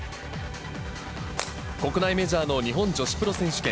国内メジャーの日本女子プロ選手権。